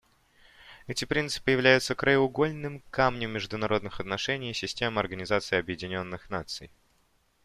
Эти принципы являются краеугольным камнем международных отношений и системы Организации Объединенных Наций.